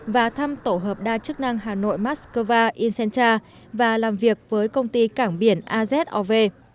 và thăm tổ hợp đa chức năng hà nội moscow incenta và làm việc với công ty cảng biển azov